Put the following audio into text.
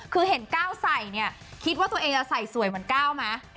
คือเห็นเกล้าใส่เนี่ยคิดว่าตัวเองต้องใส่สวยเหมือนเกล้ามั้ย